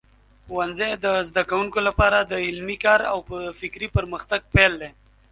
ښوونځی د زده کوونکو لپاره د علمي کار او فکري پرمختګ پیل دی.